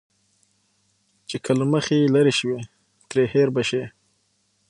چې که له مخه يې لرې شوې، ترې هېر به شې.